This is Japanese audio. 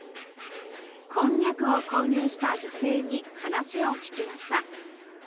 こんにゃくを購入した女性に話を聞きました。